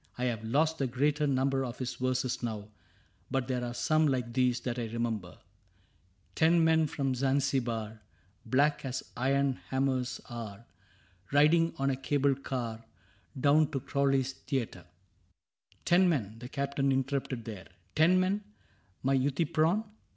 I have lost The greater number of his verses now, But there are some, like these, that I remember: ''' Ten men from Zanzibar^ Black as iron hammers are^ Riding on a cable^car Down to Crowley's theatre* ...'' Ten men ?" the Captain interrupted there —" Ten men, my Euthyphron